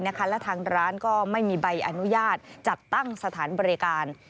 และทางร้านก็ไม่มีใบอนุญาตจัดตั้งสถานบริการ